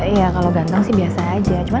ya kalo ganteng sih biasa aja